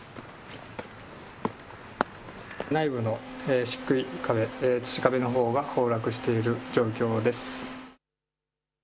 内部のしっくい、土壁のほうが崩落している状況です。